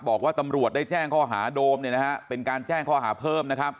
บอกว่าตำรวจได้แจ้งข้อหาโดมเป็นการแจ้งข้อหาเพิ่มนะครับ